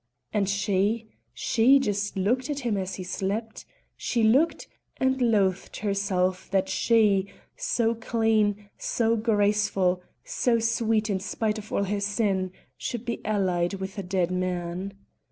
And she she just looked at him as he slept! She looked and loathed herself, that she so clean, so graceful, so sweet in spite of all her sin should be allied with a dead man.